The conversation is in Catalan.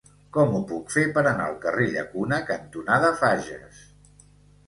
Com ho puc fer per anar al carrer Llacuna cantonada Fages?